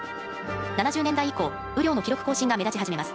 ７０年代以降雨量の記録更新が目立ち始めます。